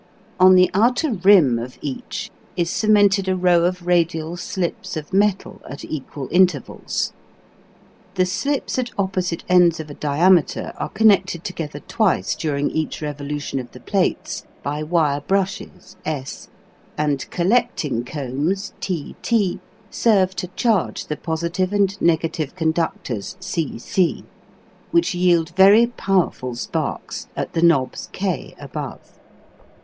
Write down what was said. On the outer rim of each is cemented a row of radial slips of metal at equal intervals. The slips at opposite ends of a diameter are connected together twice during each revolution of the plates by wire brushes S, and collecting combs TT serve to charge the positive and negative conductors CC, which yield very powerful sparks at the knobs K above.